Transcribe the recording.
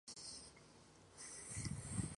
Es la forma menos relevante de arteriosclerosis.